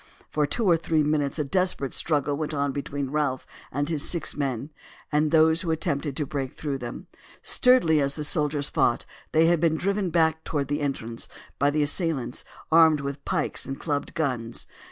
For two or three minutes a desperate struggle went on between Ralph and his six men and those who attempted to break through them. Sturdily as the soldiers fought they had been driven back towards the entrance by the assailants, armed with pikes and clubbed guns.